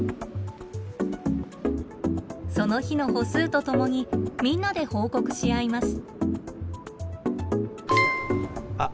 その日の歩数とともにみんなで報告し合います。